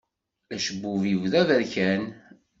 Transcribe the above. Acebbub-iw d aberkan.